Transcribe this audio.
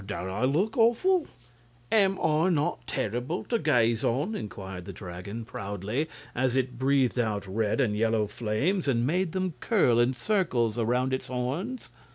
"Don't I look awful? Am I not terrible to gaze on?" inquired the Dragon, proudly, as it breathed out red and yellow flames and made them curl in circles around its horns.